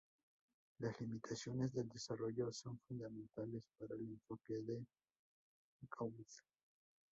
Las limitaciones del desarrollo son fundamentales para el enfoque de Gould.